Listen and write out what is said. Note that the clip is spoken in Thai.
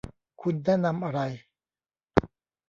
คุณแนะนำอะไร